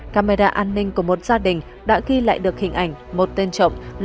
camera an ninh của một gia đình đã ghi lại được hình ảnh một tên trộm